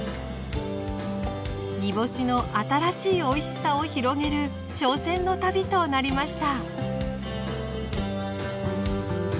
煮干しの新しいおいしさを広げる挑戦の旅となりました。